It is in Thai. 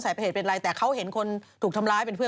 ตัวคุณแม่มีลูกมาด้วย